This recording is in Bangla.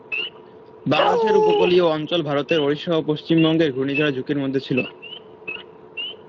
বাংলাদেশের উপকূলীয় অঞ্চল, ভারতের ওড়িশা ও পশ্চিমবঙ্গ ঘূর্ণিঝড়ের ঝুঁকির মধ্যে ছিল।